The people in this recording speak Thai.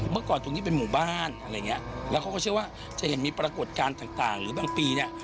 เมื่อก่อนตรงนี้เป็นหมู่บ้านอะไรอย่างเงี้ยแล้วเขาก็เชื่อว่าจะเห็นมีปรากฏการณ์ต่างหรือบางปีเนี่ย